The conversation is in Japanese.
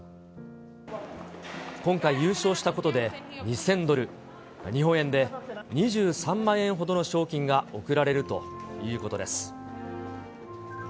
今回、優勝したことで２０００ドル、日本円で２３万円ほどの賞金が贈られるということです。